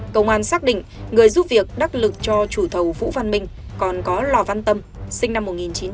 công an xác định người giúp việc đắc lực cho chủ thầu vũ văn minh còn có lò văn tâm sinh năm một nghìn chín trăm tám mươi